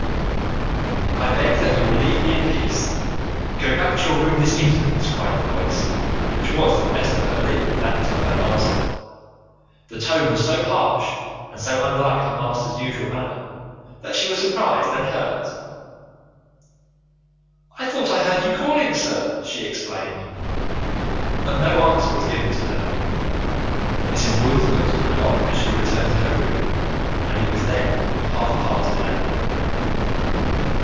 "I beg that you will leave me in peace. Go back to your room this instant!" cried the voice, which was, to the best of her belief, that of her master. The tone was so harsh and so unlike her master's usual manner, that she was surprised and hurt. "I thought I heard you calling, sir," she explained, but no answer was given to her. Mrs. Woods looked at the clock as she returned to her room, and it was then half past eleven.